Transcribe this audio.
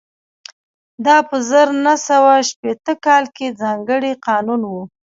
دا په زر نه سوه شپېته کال کې ځانګړی قانون و